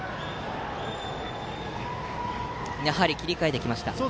やはり切り替えてきました。